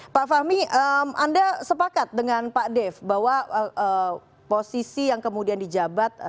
pak fahmi anda sepakat dengan pak dev bahwa posisi yang kemudian dijabat